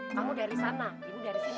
kamu dari sana ibu dari sini